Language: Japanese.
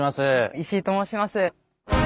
石井と申します。